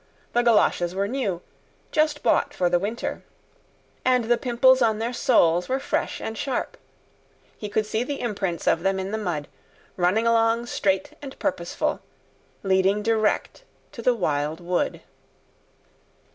The goloshes were new, just bought for the winter, and the pimples on their soles were fresh and sharp. He could see the imprints of them in the mud, running along straight and purposeful, leading direct to the Wild Wood.